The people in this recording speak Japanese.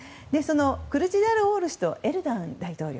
クルチダルオール氏とエルドアン大統領